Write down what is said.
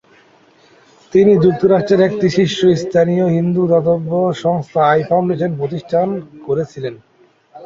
তিনি যুক্তরাজ্যের একটি শীর্ষস্থানীয় হিন্দু দাতব্য সংস্থা আই-ফাউন্ডেশন প্রতিষ্ঠা করেছেন।